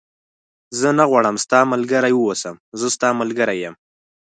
زه نه غواړم ستا ملګری و اوسم، زه ستا ملګری یم.